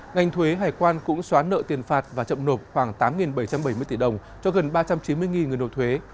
ngành thuế hải quan cũng xóa nợ tiền phạt và chậm nộp khoảng tám bảy trăm bảy mươi tỷ đồng cho gần ba trăm chín mươi người nộp thuế